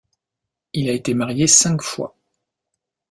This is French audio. Il a été marié cinq fois.